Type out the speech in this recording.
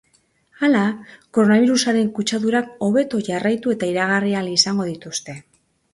Hala, koronabirusaren kutsadurak hobeto jarraitu eta iragarri ahal izango dituzte.